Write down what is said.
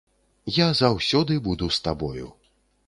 Я заўсёды буду з табою!